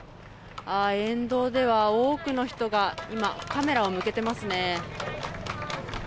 あー、沿道では多くの人が今、カメラを向けてますね。